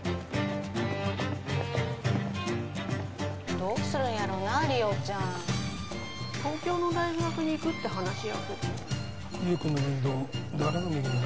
・どうするんやろな梨央ちゃん・東京の大学に行くって話やけど・優君の面倒誰が見るんやな